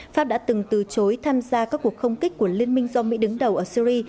pháp đã từng từ chối tham gia các cuộc không kích của liên minh do mỹ đứng đầu ở syri